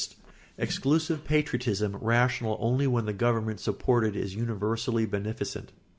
[Sidenote: Exclusive patriotism rational only when the government supported is universally beneficent.